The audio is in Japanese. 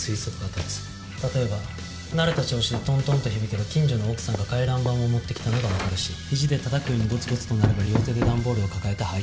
例えば慣れた調子でトントンと響けば近所の奥さんが回覧板を持ってきたのがわかるし肘で叩くようにゴツゴツと鳴れば両手で段ボールを抱えた配達員。